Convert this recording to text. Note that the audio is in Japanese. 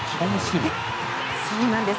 そうなんです